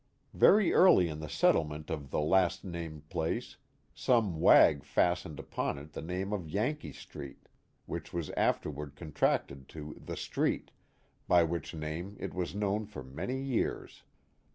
Very early in the settlement of the last named place, some wag fastened upon it the name of Yankee Street, which was after ward contracted to '* The street," by which name it was known for many years.